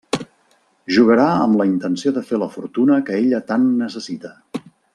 Jugarà amb la intenció de fer la fortuna que ella tant necessita.